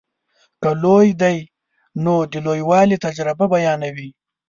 که لوی دی نو د لویوالي تجربه بیانوي.